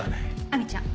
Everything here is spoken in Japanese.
亜美ちゃん。